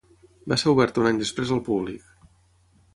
Va ser oberta un any després al públic.